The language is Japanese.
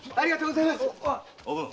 おぶん。